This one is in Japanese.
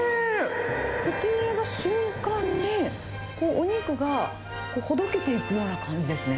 口に入れた瞬間に、お肉がほどけていくような感じですね。